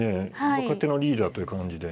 若手のリーダーという感じで。